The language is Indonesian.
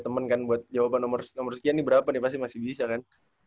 temen kan buat jawaban nomor sekian ini berapa nih pasti masih bisa kan